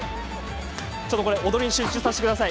ちょっと踊りに集中させてください。